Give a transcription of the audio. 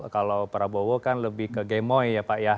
kalau prabowo kan lebih ke gemoy ya pak ya